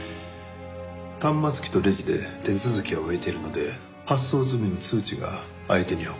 端末機とレジで手続きは終えているので発送済みの通知が相手には送られます。